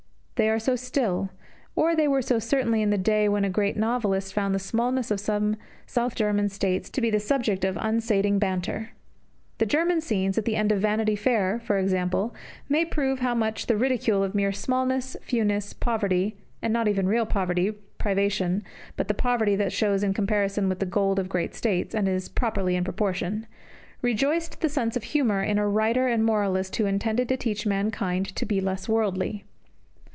They are so still; or they were so certainly in the day when a great novelist found the smallness of some South German States to be the subject of unsating banter. The German scenes at the end of "Vanity Fair," for example, may prove how much the ridicule of mere smallness, fewness, poverty (and not even real poverty, privation, but the poverty that shows in comparison with the gold of great States, and is properly in proportion) rejoiced the sense of humour in a writer and moralist who intended to teach mankind to be less worldly.